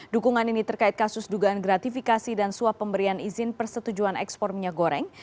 dukungan ini terkait kasus dugaan gratifikasi dan suap pemberian izin persetujuan ekspor minyak goreng